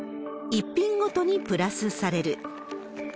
１品ごとにプラスされる。